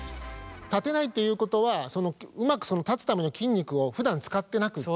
立てないっていうことはうまく立つための筋肉をふだん使ってなくて。